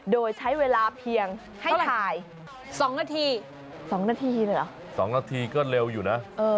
โดยใช้เวลาเพียงให้ถ่าย๒นาที๒นาทีเลยเหรอ๒นาทีก็เร็วอยู่นะ